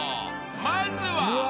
まずは］